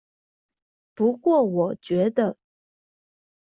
不過我覺得